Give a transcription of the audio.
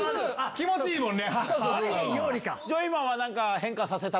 気持ちいいもんね。